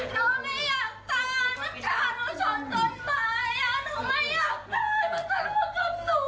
หนูไม่อยากตายมันกำลังมากับหนู